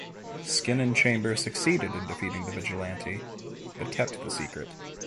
Skin and Chamber succeeded in defeating the vigilante, but kept the secret.